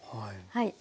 はい。